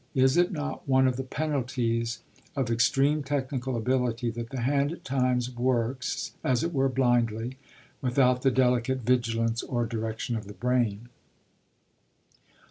Is it not one of the penalties of extreme technical ability that the hand at times works, as it were, blindly, without the delicate vigilance or direction of the brain?